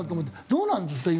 どうなんですか？